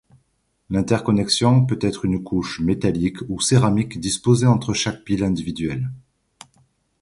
L'interconnexion peut être une couche métallique ou céramique disposée entre chaque pile individuelle.